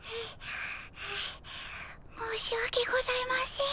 申しわけございません。